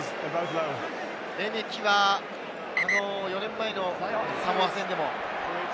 レメキは４年前のサモア戦でも。